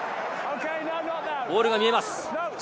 ボールが見えます。